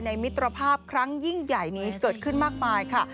มิตรภาพครั้งยิ่งใหญ่นี้เกิดขึ้นมากมายค่ะ